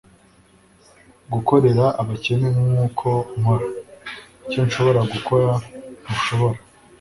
gukorera abakene nkuko nkora, icyo nshobora gukora, ntushobora